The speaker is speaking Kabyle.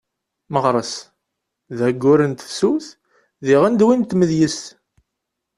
Meɣres d ayyur n tefsut diɣen d win n tmedyezt.